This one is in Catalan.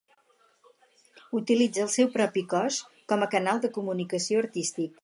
Utilitza el seu propi cos com a canal de comunicació artístic.